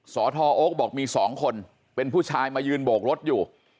สทโอ๊คบอกมี๒คนเป็นผู้ชายมายืนโบกรถอยู่